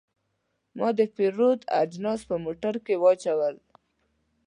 ما د پیرود اجناس په موټر کې واچول.